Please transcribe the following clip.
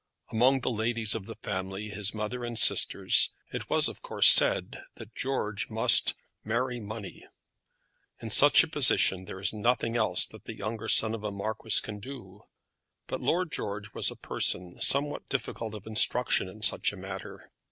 Among the ladies of the family, his mother and sisters, it was of course said that George must marry money. In such a position there is nothing else that the younger son of a marquis can do. But Lord George was a person somewhat difficult of instruction in such a matter.